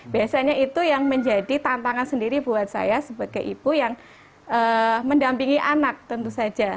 biasanya itu yang menjadi tantangan sendiri buat saya sebagai ibu yang mendampingi anak tentu saja